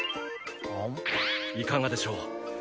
いかがでしょう？